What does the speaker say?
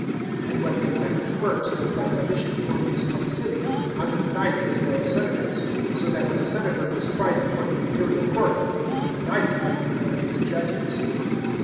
And what made matters worse was that Domitian formed his consilium out of knights as well as senators, so that, when a senator was tried before tht imperial court, a knight might be one of his judges.